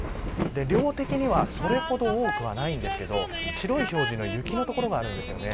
量的にはそれほど多くないですが白い表示の雪の所があるんです。